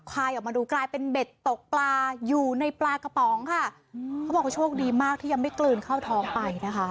ควายออกมาดูกลายเป็นเบ็ดตกปลาอยู่ในปลากระป๋องค่ะเขาบอกว่าโชคดีมากที่ยังไม่กลืนเข้าท้องไปนะคะ